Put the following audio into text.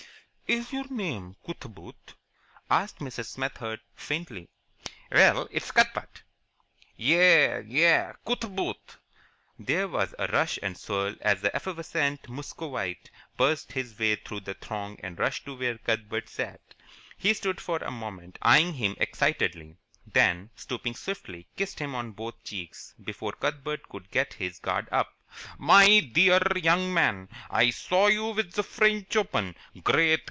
"Is your name Cootaboot?" asked Mrs. Smethurst, faintly. "Well, it's Cuthbert." "Yais! Yais! Cootaboot!" There was a rush and swirl, as the effervescent Muscovite burst his way through the throng and rushed to where Cuthbert sat. He stood for a moment eyeing him excitedly, then, stooping swiftly, kissed him on both cheeks before Cuthbert could get his guard up. "My dear young man, I saw you win ze French Open. Great!